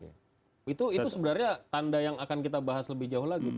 itu sebenarnya tanda yang akan kita bahas lebih jauh lagi